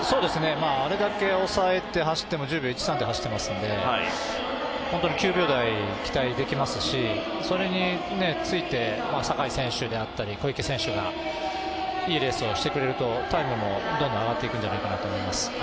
あれだけ抑えて走っても１０秒１３で走ってますので９秒台、期待できますしそれについて坂井選手であったり、小池選手がいいレースをしてくれるとタイムもどんどん上がっていくと思います。